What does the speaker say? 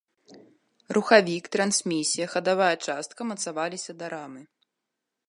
Рухавік, трансмісія, хадавая частка мацаваліся да рамы.